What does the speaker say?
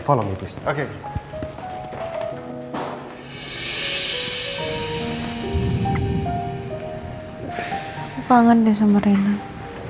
sambung dengan aku tolong